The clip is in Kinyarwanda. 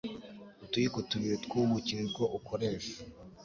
Utuyiko tubiri tw'ubuki nitwo ukoresha